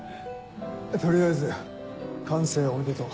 取りあえず完成おめでとう。